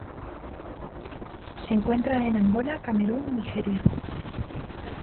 Se encuentra en Angola, Camerún y Nigeria.